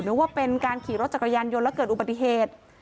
ว่าเป็นการขี่รถจักรยานยนต์แล้วเกิดอุบัติเหตุ